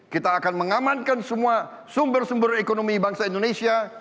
kita akan mengamankan semua sumber sumber ekonomi bangsa indonesia